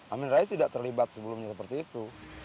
amin rais tidak terlibat sebelumnya seperti itu